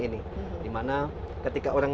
ini dimana ketika orang